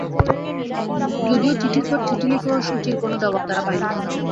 যদিও চিঠির পর চিঠি লিখেও সু চির কোনো জবাব তাঁরা পাননি।